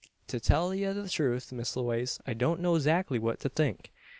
"To tell ye the truth, Miss Lewaze, I don't know zackly what to think.